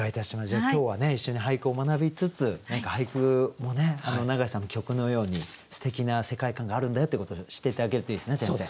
じゃあ今日は一緒に俳句を学びつつ何か俳句も永井さんの曲のようにすてきな世界観があるんだよってことを知って頂けるといいですね先生。